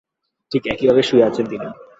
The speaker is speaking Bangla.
ঠিক একইভাবে শুয়ে আছেন তিনি।